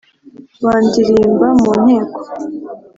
Bandirimba mu nteko